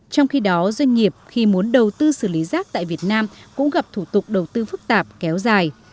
trong khi đó doanh nghiệp khi muốn đầu tư xử lý rác tại việt nam cũng gặp thủ tục đầu tư phức tạp kéo dài